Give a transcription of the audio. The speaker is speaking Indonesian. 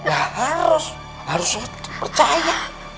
ya harus harus percaya